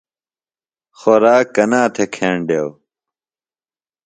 خوۡراک کنا تھےۡ کھنیڈیو؟